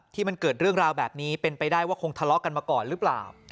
ที่มันเกิดเรื่องราวแบบนี้เป็นไปได้ว่าคงทะเลาะกันมาก่อนหรือเปล่า